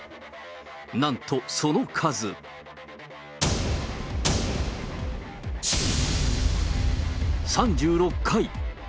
なんと、その数３６回。